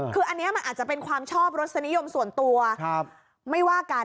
คืออันนี้มันอาจจะเป็นความชอบรสนิยมส่วนตัวไม่ว่ากัน